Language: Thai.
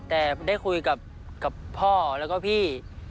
แต่ได้คุยกับพ่อแล้วก็พี่